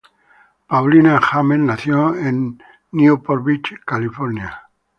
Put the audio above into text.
Paulina James nació en Newport Beach, California.